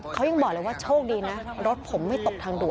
เขายังบอกเลยว่าโชคดีนะรถผมไม่ตกทางด่วน